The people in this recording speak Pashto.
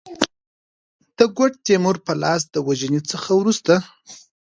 د ګوډ تیمور په لاس د وژني څخه وروسته.